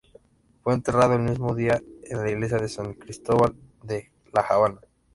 Fue enterrado el mismo día en la iglesia de San Cristóbal de La Habana.